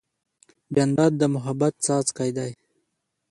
جانداد د محبت څاڅکی دی.